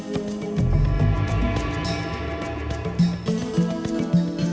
saya sangat menyayangi keluarga saya